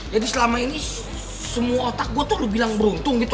selama ini semua otak gue tuh udah bilang beruntung gitu